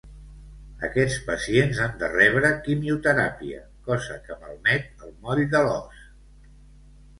Aquests pacients han de rebre quimioteràpia, cosa que malmet el moll de l'os.